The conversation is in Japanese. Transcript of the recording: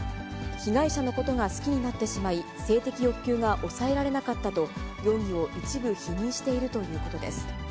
被害者のことが好きになってしまい、性的欲求が抑えられなかったと、容疑を一部否認しているということです。